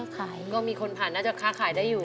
ขายก็มีคนผ่านน่าจะค้าขายได้อยู่